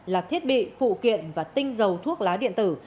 là thiết bị phụ kiện và tinh dầu thuốc lá điện tử